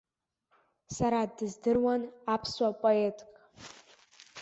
Сара дыздыруан аԥсуа поетк.